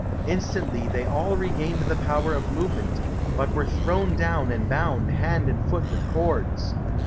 Instantly they all regained the power of movement, but were thrown down and bound hand and foot with cords.